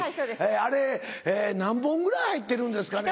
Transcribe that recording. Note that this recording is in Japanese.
あれ何本ぐらい入ってるんですかね？